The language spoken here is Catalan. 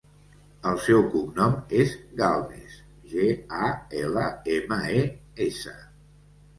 El seu cognom és Galmes: ge, a, ela, ema, e, essa.